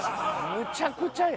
むちゃくちゃや。